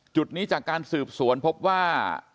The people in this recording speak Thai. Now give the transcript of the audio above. จุดนี้จากการสืบสวนพบว่า